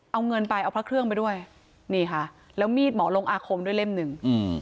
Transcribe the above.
เอาเงินไปเอาพระเครื่องไปด้วยนี่ค่ะแล้วมีดหมอลงอาคมด้วยเล่มหนึ่งอืม